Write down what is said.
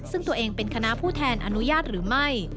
ซึ่งตัวเองเป็นคณะผู้แทนอนุญาตหรือไม่